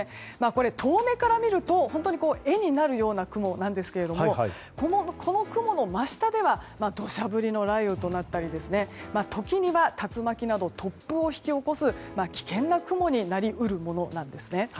これ、遠目から見ると絵になるような雲ですがこの雲の真下では土砂降りの雷雨となったり時には竜巻など突風を引き起こす危険な雲になり得るものなんですね。